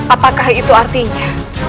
apakah itu artinya